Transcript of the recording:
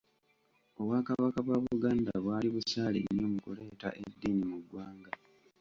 Obwakabaka bwa Buganda bwali busaale nnyo mu kuleeta eddiini mu ggwanga.